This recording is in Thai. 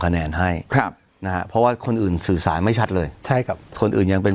คะแนนให้ครับนะฮะเพราะว่าคนอื่นสื่อสารไม่ชัดเลยใช่ครับคนอื่นยังเป็น